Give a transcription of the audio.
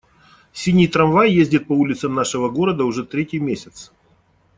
Синий трамвай ездит по улицам нашего города уже третий месяц.